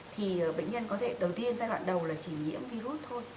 thì bệnh nhân có thể đầu tiên giai đoạn đầu là chỉ nhiễm virus thôi